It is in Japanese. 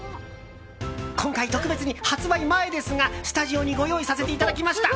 今回、特別に発売前ですがスタジオにご用意させていただきました！